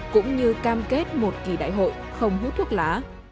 cũng như cam kết một kỳ đại hội không hút thuốc lá